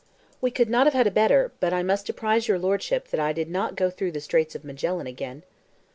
"We could not have had a better; but I must apprise your Lordship that I did not go through the Straits of Magellan again."